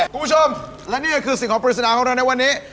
คุณผู้ชมและนี่ก็คือสิ่งของปริศนาของเราในวันนี้